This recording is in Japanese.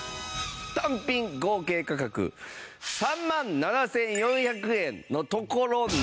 単品合計価格３万７４００円のところなんと。